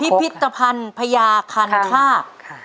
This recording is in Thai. พิพิธภัณฑ์พญาคันคาบ